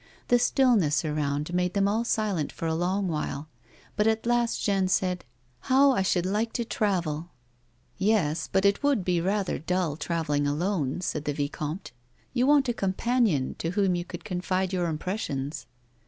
The stillness around made them all silent for a long while, but at last Jeanne said :" How I should like to travel !"" Yes, but it would be rather dull travelling alone," said the vicomte. "You want a companion to whom you could confide your impressions."